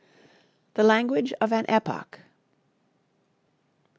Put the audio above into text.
The Language of an Epoch.